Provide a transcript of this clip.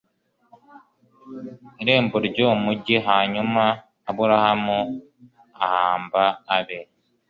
irembo ry uwo mugi hanyuma aburahamu ahamba abe